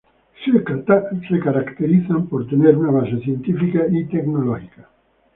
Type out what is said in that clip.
Se caracterizan por tener una base científica y tecnológica.